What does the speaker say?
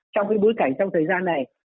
trong cái bối cảnh trong thời gian này